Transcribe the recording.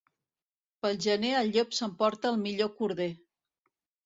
Pel gener el llop s'emporta el millor corder.